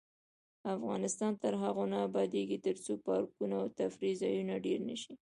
افغانستان تر هغو نه ابادیږي، ترڅو پارکونه او تفریح ځایونه ډیر نشي.